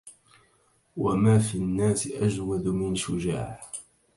وما في الناس أجود من شجاع